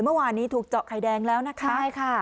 เมื่อวานนี้ถูกเจาะไข่แดงแล้วนะคะใช่ค่ะ